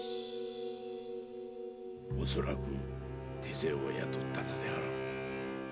おそらく手勢を雇ったのだろう。